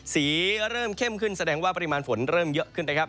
เริ่มเข้มขึ้นแสดงว่าปริมาณฝนเริ่มเยอะขึ้นนะครับ